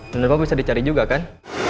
bener bener bisa dicari juga kan